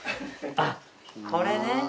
あっこれね。